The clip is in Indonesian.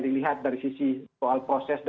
dilihat dari sisi soal proses